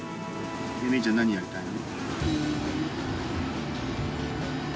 めいちゃん、何やりたいの？